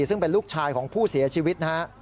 ซึ่งเป็นลูกชายของผู้เสียชีวิตนะฮะ